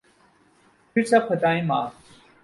پھر سب خطائیں معاف۔